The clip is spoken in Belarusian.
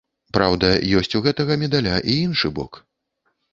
Праўда, ёсць у гэтага медаля і іншы бок.